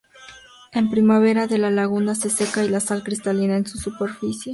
En primavera, la laguna se seca y la sal cristaliza en su superficie.